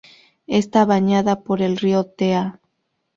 Está bañada por el río Tea.